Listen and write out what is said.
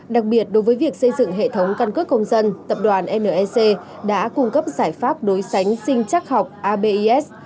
đặc biệt đối với việc xây dựng hệ thống căn cước công dân tập đoàn nec đã cung cấp giải pháp đối sánh sinh chắc học abis